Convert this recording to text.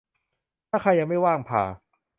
ถ้าใครยังไม่ว่างผ่า